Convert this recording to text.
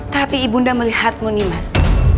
tapi ibunda melihatmu nimas